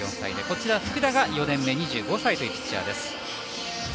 福田は４年目２５歳というピッチャーです。